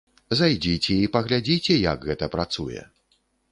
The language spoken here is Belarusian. Зайдзіце і паглядзіце, як гэта працуе.